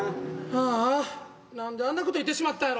ああなんであんなこと言ってしまったんやろ。